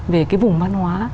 về cái vùng văn hóa